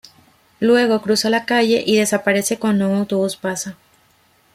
Luego cruza la calle y desaparece cuando un autobús pasa.